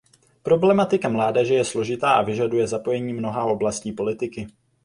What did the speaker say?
Problematika mládeže je složitá a vyžaduje zapojení mnoha oblastí politiky.